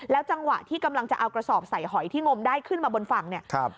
จังหวะที่กำลังจะเอากระสอบใส่หอยที่งมได้ขึ้นมาบนฝั่งเนี่ยครับ